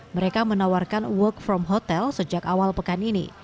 mereka menawarkan work from hotel sejak awal pekan ini